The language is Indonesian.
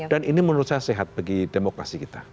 dan ini menurut saya sehat bagi demokrasi kita